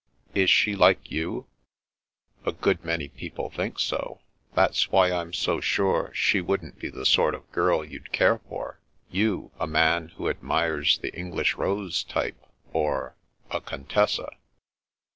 Is she like you ?" A good many people think so. That's why I'm so sure she wouldn't be the sort of girl you'd care for — ^you, a man who admires the English rose type or — a Contessa."